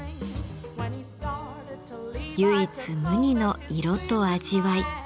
唯一無二の色と味わい。